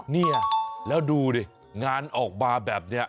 เนี่ยแล้วดูดิงานออกมาแบบนี้